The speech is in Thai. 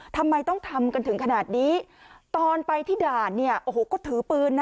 ทำไมต้องทำกันถึงขนาดนี้ตอนไปที่ด่านเนี่ยโอ้โหก็ถือปืนนะ